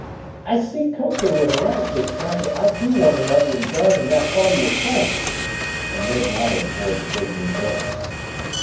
I see Koku and Eradicate trying to outdo one another in guarding that part of your plant," and Ned nodded toward the big new building.